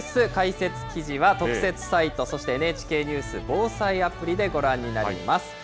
関連のニュース解説記事は、特設サイト、そしてＮＨＫニュース・防災アプリでご覧になれます。